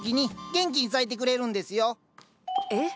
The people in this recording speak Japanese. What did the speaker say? えっ？